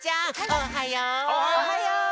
おはよう！